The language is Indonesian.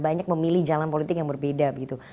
banyak memilih jalan politik yang berbeda begitu